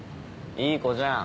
いい子じゃん。